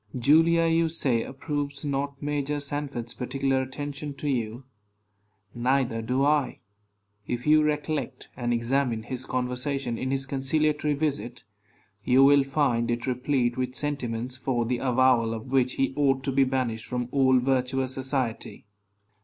Julia, you say, approves not Major Sanford's particular attention to you. Neither do I. If you recollect and examine his conversation in his conciliatory visit, you will find it replete with sentiments for the avowal of which he ought to be banished from all virtuous society.